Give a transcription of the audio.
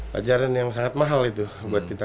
pelajaran yang sangat mahal itu buat kita